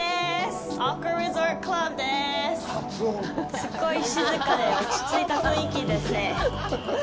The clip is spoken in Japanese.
すごい静かで落ちついた雰囲気ですね。